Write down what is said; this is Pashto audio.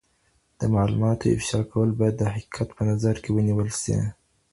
د معلوماتو افشا کول باید د حقیقت په نظر کې ونیول سي.